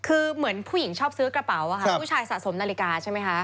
คือเหมือนผู้หญิงชอบซื้อกระเป๋าอะค่ะผู้ชายสะสมนาฬิกาใช่ไหมคะ